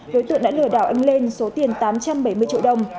đối tượng đã lừa đảo anh lên số tiền tám trăm bảy mươi triệu đồng